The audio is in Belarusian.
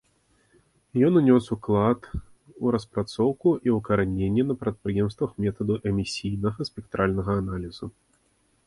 Ён унёс уклад у распрацоўку і ўкараненне на прадпрыемствах метаду эмісійнага спектральнага аналізу.